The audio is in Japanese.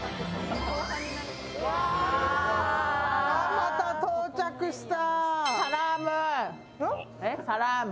また到着した。